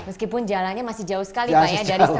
meskipun jalannya masih jauh sekali pak ya